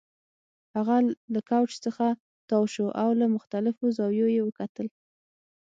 هغه له کوچ څخه تاو شو او له مختلفو زاویو یې وکتل